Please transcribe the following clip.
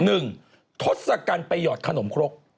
หนึ่งทศกัณฐ์ไปหยอดขนมครก